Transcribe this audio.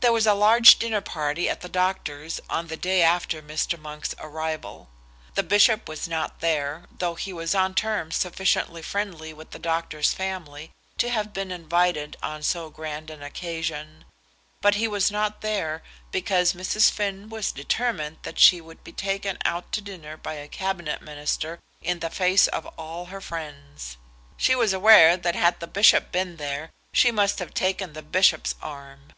There was a large dinner party at the doctor's on the day after Mr. Monk's arrival. The bishop was not there, though he was on terms sufficiently friendly with the doctor's family to have been invited on so grand an occasion; but he was not there, because Mrs. Finn was determined that she would be taken out to dinner by a Cabinet Minister in the face of all her friends. She was aware that had the bishop been there, she must have taken the bishop's arm.